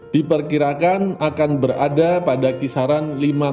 diperkirakan akan berada pada kisaran